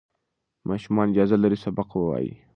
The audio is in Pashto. ماشومان اجازه لري سبق ووایي.